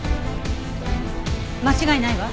間違いないわ。